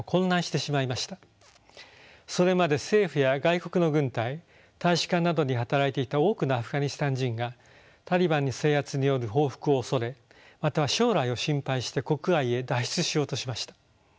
それまで政府や外国の軍隊大使館などに働いていた多くのアフガニスタン人がタリバンの制圧による報復を恐れまたは将来を心配して国外へ脱出しようとしました。